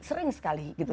sering sekali gitu